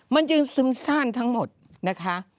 มันจึงซึมซ่านทั้งหมดนะคะ